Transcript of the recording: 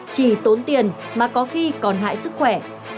chỉ tốn tiền mà có khi còn hại sức khỏe